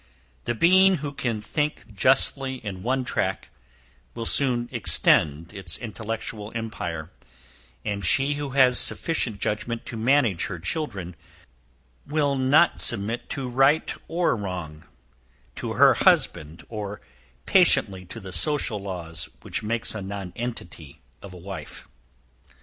The being who can think justly in one track, will soon extend its intellectual empire; and she who has sufficient judgment to manage her children, will not submit right or wrong, to her husband, or patiently to the social laws which makes a nonentity of a wife.